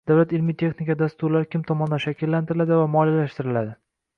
Davlat ilmiy-texnika dasturlari kim tomonidan shakllantiriladi va moliyalashtiriladi?